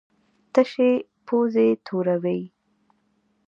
تشې پوزې توروي.